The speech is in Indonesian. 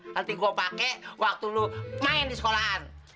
nanti gue pake waktu lo main di sekolahan